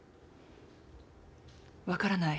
分からない。